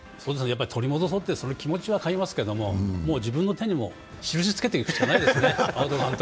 取り戻そうって気持ちは分かりますけど、自分の手にも、しるしつけておくしかないですね。